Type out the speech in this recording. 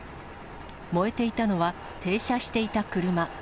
燃えていたのは停車していた車。